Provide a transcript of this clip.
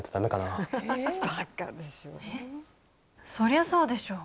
そりゃそうでしょ